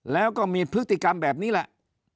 แล้วก็มีพฤติกรรมแบบนี้แหละ